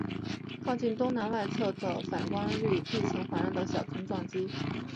靠近东南外侧壁附近坐落了一座被高反照率地层环绕的小撞击坑。